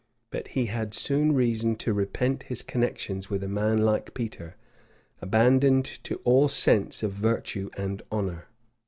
But he had soon reason to repent his connections with a man like Peter, abandoned to all sense of virtue and honor.